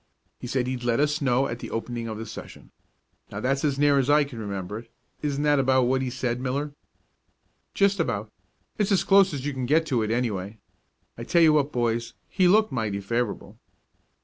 He said he'd let us know at the opening of the session. Now that's as near as I can remember it. Isn't that about what he said, Miller?" "Just about. It's as close as you can get to it, anyway. I tell you what, boys, he looked mighty favorable."